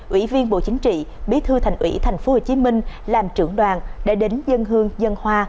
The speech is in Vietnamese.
ủy viên bộ chính trị bí thư thành ủy tp hcm làm trưởng đoàn đã đến dân hương dân hoa